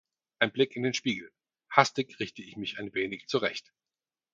Ein Blick in den Spiegel, hastig richte ich mich ein wenig zurecht.